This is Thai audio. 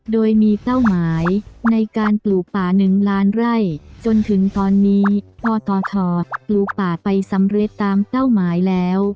โดยมีเป้าหมายในการปลูกป่า๑ล้านไร่จนถึงตอนนี้ปตทปลูกป่าไปสำเร็จตามเป้าหมายแล้ว